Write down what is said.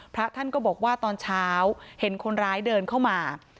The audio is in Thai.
พระท่านก็บอกว่าตอนเช้าเห็นคนร้ายเดินเข้ามา